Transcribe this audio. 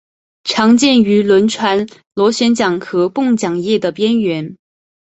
常见于轮船螺旋桨和泵桨叶的边缘。